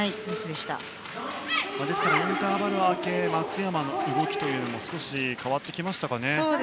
ですからインターバル明け、松山の動きも少し変わってきましたかね。